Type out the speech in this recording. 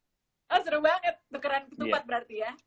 oh seru banget tukeran ketupat berarti ya